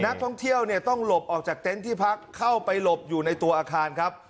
นักท่องเที่ยวเนี่ยต้องหลบออกจากเต็นต์ที่พักเข้าไปหลบอยู่ในตัวอาคารครับ